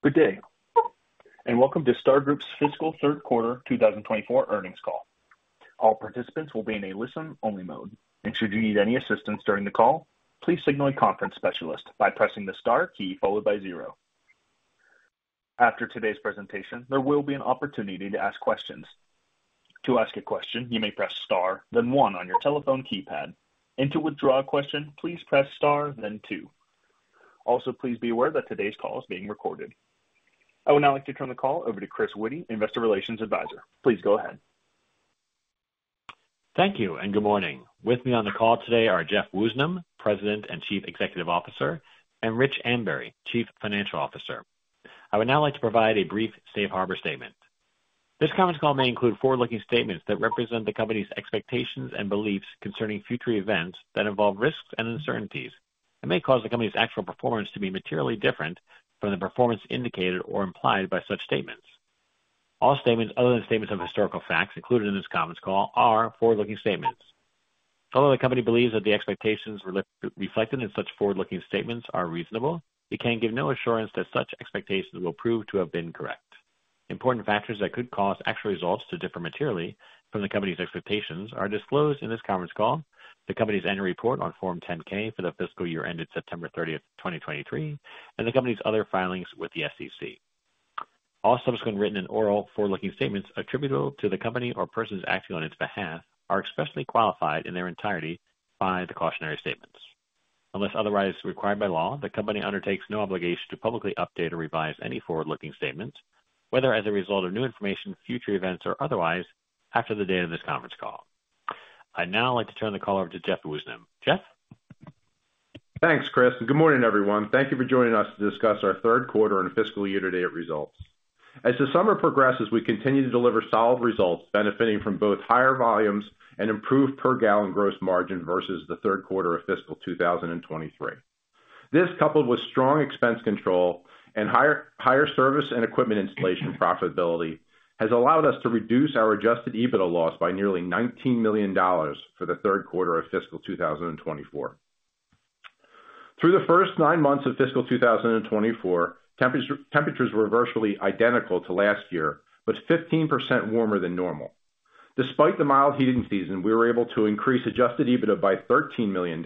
Good day, and welcome to Star Group's fiscal Q3 2024 earnings call. All participants will be in a listen-only mode, and should you need any assistance during the call, please signal a conference specialist by pressing the star key followed by zero. After today's presentation, there will be an opportunity to ask questions. To ask a question, you may press star, then one on your telephone keypad. To withdraw a question, please press star, then two. Also, please be aware that today's call is being recorded. I would now like to turn the call over to Chris Witty, Investor Relations Advisor. Please go ahead. Thank you, and good morning. With me on the call today are Jeff Woosnam, President and Chief Executive Officer, and Rich Ambury, Chief Financial Officer. I would now like to provide a brief safe harbor statement. This conference call may include forward-looking statements that represent the company's expectations and beliefs concerning future events that involve risks and uncertainties, and may cause the company's actual performance to be materially different from the performance indicated or implied by such statements. All statements other than statements of historical facts included in this conference call are forward-looking statements. Although the company believes that the expectations reflected in such forward-looking statements are reasonable, it can give no assurance that such expectations will prove to have been correct. Important factors that could cause actual results to differ materially from the company's expectations are disclosed in this conference call: the company's annual report on Form 10-K for the fiscal year ended September 30th, 2023, and the company's other filings with the SEC. All subsequent written and oral forward-looking statements attributable to the company or persons acting on its behalf are expressly qualified in their entirety by the cautionary statements. Unless otherwise required by law, the company undertakes no obligation to publicly update or revise any forward-looking statements, whether as a result of new information, future events, or otherwise, after the date of this conference call. I'd now like to turn the call over to Jeff Woosnam. Jeff? Thanks, Chris. Good morning, everyone. Thank you for joining us to discuss our Q3 and fiscal year-to-date results. As the summer progresses, we continue to deliver solid results benefiting from both higher volumes and improved per-gallon gross margin versus the Q3 of fiscal 2023. This, coupled with strong expense control and higher service and equipment installation profitability, has allowed us to reduce our Adjusted EBITDA loss by nearly $19 million for the Q3 of fiscal 2024. Through the first nine months of fiscal 2024, temperatures were virtually identical to last year, but 15% warmer than normal. Despite the mild heating season, we were able to increase Adjusted EBITDA by $13 million,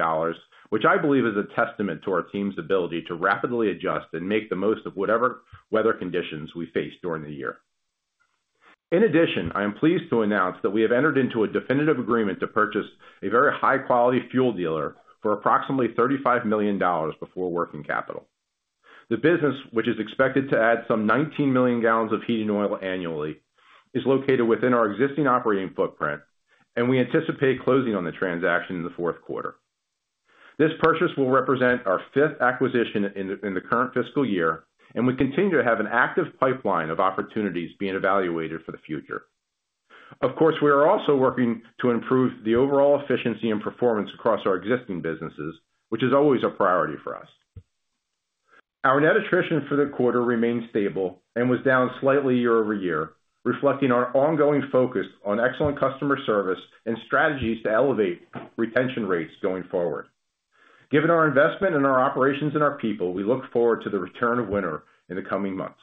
which I believe is a testament to our team's ability to rapidly adjust and make the most of whatever weather conditions we face during the year. In addition, I am pleased to announce that we have entered into a definitive agreement to purchase a very high-quality fuel dealer for approximately $35 million before working capital. The business, which is expected to add some 19 million gal of heating oil annually, is located within our existing operating footprint, and we anticipate closing on the transaction in the Q4. This purchase will represent our fifth acquisition in the current fiscal year, and we continue to have an active pipeline of opportunities being evaluated for the future. Of course, we are also working to improve the overall efficiency and performance across our existing businesses, which is always a priority for us. Our net attrition for the Q4 remained stable and was down slightly year-over-year, reflecting our ongoing focus on excellent customer service and strategies to elevate retention rates going forward. Given our investment in our operations and our people, we look forward to the return of winter in the coming months.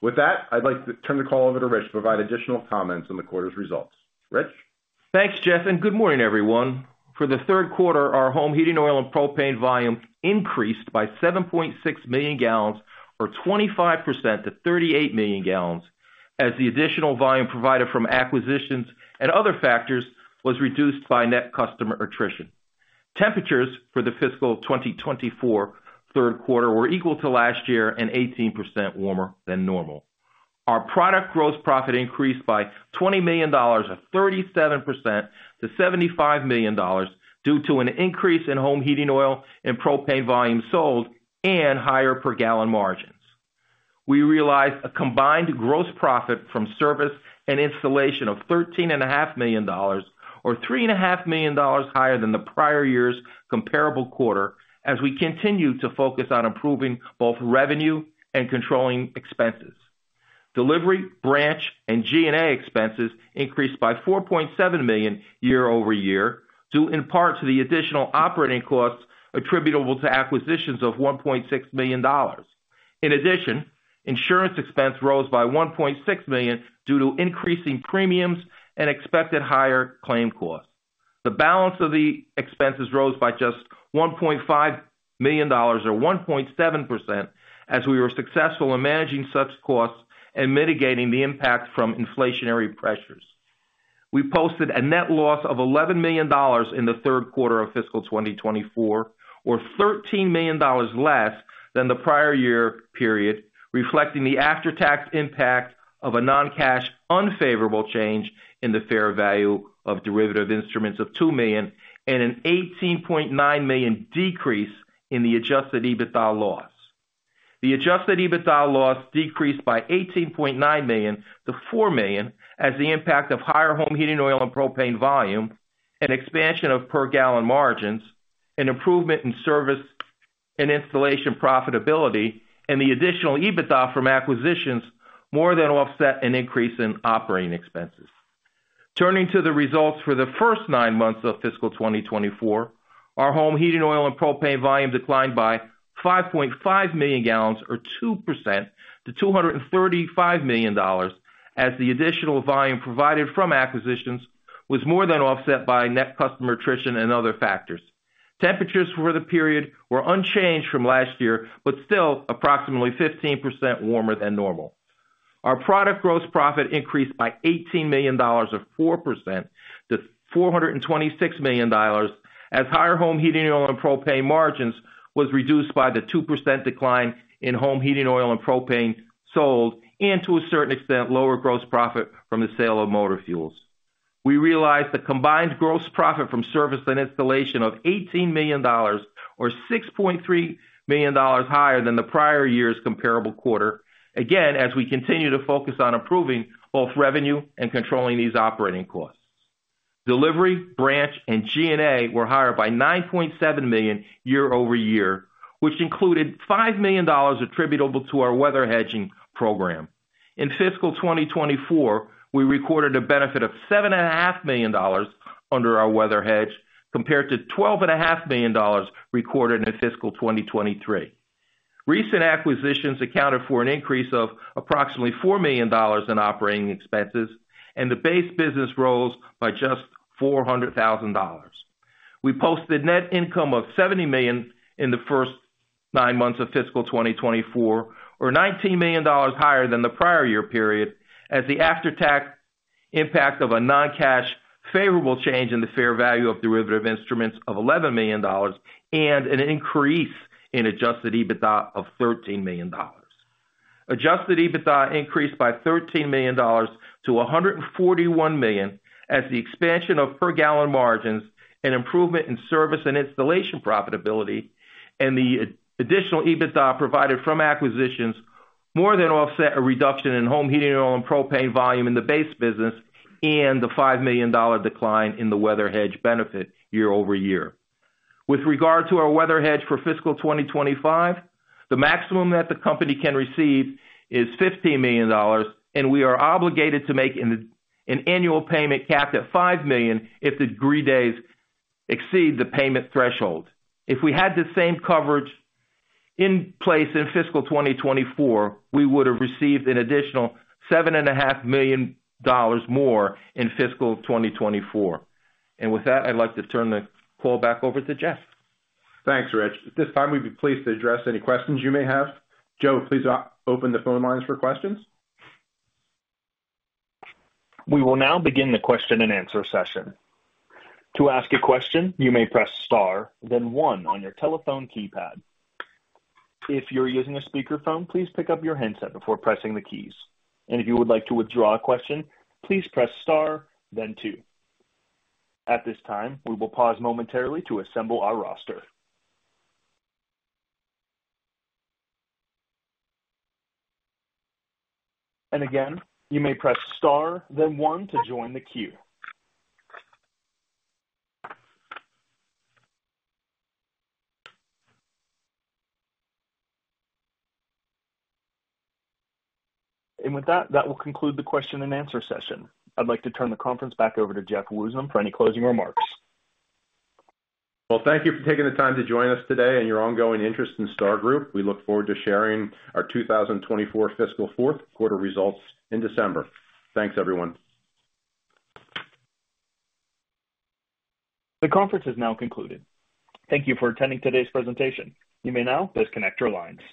With that, I'd like to turn the call over to Rich to provide additional comments on the quarter's results. Rich? Thanks, Jeff, and good morning, everyone. For the Q3, our home heating oil and propane volume increased by 7.6 million gal, or 25% to 38 million gal, as the additional volume provided from acquisitions and other factors was reduced by net customer attrition. Temperatures for the fiscal 2024 Q3 were equal to last year and 18% warmer than normal. Our product gross profit increased by $20 million, a 37% to $75 million, due to an increase in home heating oil and propane volume sold and higher per-gallon margins. We realized a combined gross profit from service and installation of $13.5 million, or $3.5 million higher than the prior year's comparable quarter, as we continue to focus on improving both revenue and controlling expenses. Delivery, branch, and G&A expenses increased by $4.7 million year-over-year, due in part to the additional operating costs attributable to acquisitions of $1.6 million. In addition, insurance expense rose by $1.6 million due to increasing premiums and expected higher claim costs. The balance of the expenses rose by just $1.5 million, or 1.7%, as we were successful in managing such costs and mitigating the impact from inflationary pressures. We posted a net loss of $11 million in the Q3 of fiscal 2024, or $13 million less than the prior year period, reflecting the after-tax impact of a non-cash unfavorable change in the fair value of derivative instruments of $2 million, and an $18.9 million decrease in the Adjusted EBITDA loss. The Adjusted EBITDA loss decreased by $18.9 million to $4 million, as the impact of higher home heating oil and propane volume, an expansion of per-gallon margins, an improvement in service and installation profitability, and the additional EBITDA from acquisitions more than offset an increase in operating expenses. Turning to the results for the first nine months of fiscal 2024, our home heating oil and propane volume declined by 5.5 million gal, or 2% to 235 million gal, as the additional volume provided from acquisitions was more than offset by net customer attrition and other factors. Temperatures for the period were unchanged from last year, but still approximately 15% warmer than normal. Our product gross profit increased by $18 million, or 4% to $426 million, as higher home heating oil and propane margins were reduced by the 2% decline in home heating oil and propane sold, and to a certain extent, lower gross profit from the sale of motor fuels. We realized the combined gross profit from service and installation of $18 million, or $6.3 million higher than the prior year's comparable quarter, again as we continue to focus on improving both revenue and controlling these operating costs. Delivery, branch, and G&A were higher by $9.7 million year-over-year, which included $5 million attributable to our weather hedging program. In fiscal 2024, we recorded a benefit of $7.5 million under our weather hedge, compared to $12.5 million recorded in fiscal 2023. Recent acquisitions accounted for an increase of approximately $4 million in operating expenses, and the base business rose by just $400,000. We posted net income of $70 million in the first nine months of fiscal 2024, or $19 million higher than the prior year period, as the after-tax impact of a non-cash favorable change in the fair value of derivative instruments of $11 million, and an increase in Adjusted EBITDA of $13 million. Adjusted EBITDA increased by $13 million to $141 million, as the expansion of per-gallon margins, an improvement in service and installation profitability, and the additional EBITDA provided from acquisitions more than offset a reduction in home heating oil and propane volume in the base business, and the $5 million decline in the weather hedge benefit year-over-year. With regard to our weather hedge for fiscal 2025, the maximum that the company can receive is $15 million, and we are obligated to make an annual payment capped at $5 million if degree days exceed the payment threshold. If we had the same coverage in place in fiscal 2024, we would have received an additional $7.5 million more in fiscal 2024. And with that, I'd like to turn the call back over to Jeff. Thanks, Rich. At this time, we'd be pleased to address any questions you may have. Joe, please open the phone lines for questions. We will now begin the question-and-answer session. To ask a question, you may press star, then one on your telephone keypad. If you're using a speakerphone, please pick up your headset before pressing the keys. And if you would like to withdraw a question, please press star, then two. At this time, we will pause momentarily to assemble our roster. And again, you may press star, then one to join the queue. And with that, that will conclude the question-and-answer session. I'd like to turn the conference back over to Jeff Woosnam for any closing remarks. Well, thank you for taking the time to join us today and your ongoing interest in Star Group. We look forward to sharing our 2024 fiscal Q4 results in December. Thanks, everyone. The conference has now concluded. Thank you for attending today's presentation. You may now disconnect your lines.